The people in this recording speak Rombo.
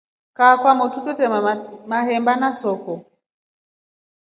Kaa kwamotu twetema maheba na soko.